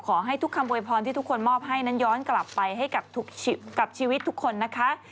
ขอให้ทุกคำโวยพรที่ทุกคนมอบให้นั้นย้อนกลับไปให้กับชีวิตทุกคนนะคะ